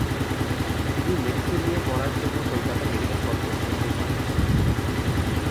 তিনি মেডিসিন নিয়ে পড়ার জন্য কলকাতা মেডিকেল কলেজে ভর্তি হন।